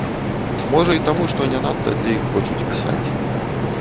Можа і таму, што не надта для іх хочуць пісаць.